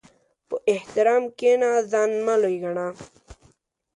په احترام کښېنه، ځان مه لوی ګڼه.